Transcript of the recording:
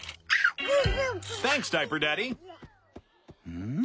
うん。